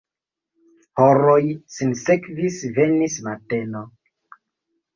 Horoj sinsekvis, venis mateno.